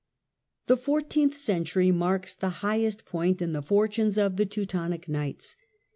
The fourteenth century marks the highest point in The the fortunes of the Teutonic Knights.